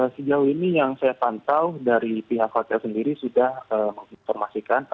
sejauh ini yang saya pantau dari pihak hotel sendiri sudah menginformasikan